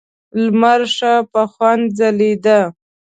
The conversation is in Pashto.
لمر ښه په خوند ځلېده.